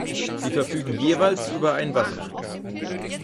Sie verfügen jeweils über ein Wasserschloss.